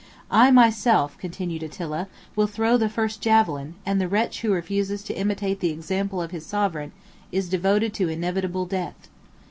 "I myself," continued Attila, "will throw the first javelin, and the wretch who refuses to imitate the example of his sovereign, is devoted to inevitable death."